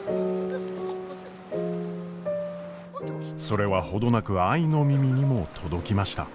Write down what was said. それは程なく愛の耳にも届きました。